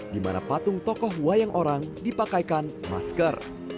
di mana patung tokoh wayang orang dipakaikan masker